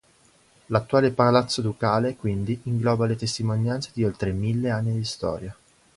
L'attuale Palazzo Ducale, quindi, ingloba le testimonianze di oltre mille anni di storia.